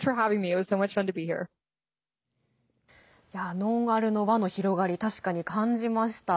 ノンアルの輪の広がり確かに感じました。